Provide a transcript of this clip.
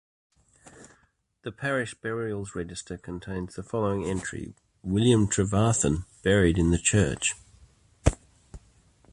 The parish burials register contains the following entry 'William Trevarthen buried in the church.